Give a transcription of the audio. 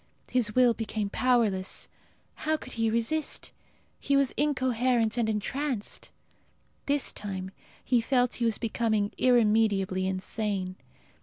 His will became powerless. How could he resist? He was incoherent and entranced. This time he felt he was becoming irremediably insane.